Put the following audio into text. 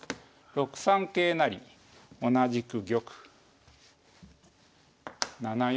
６三桂成同じく玉７四